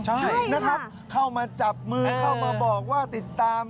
ใช่นะครับเข้ามาจับมือเข้ามาบอกว่าติดตาม